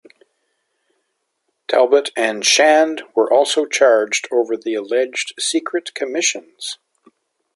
Talbot and Shand were also charged over the alleged secret commissions.